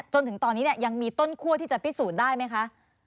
จนถึงตอนนี้ยังมีต้นคั่วที่จะพิสูจน์ได้ไหมคะ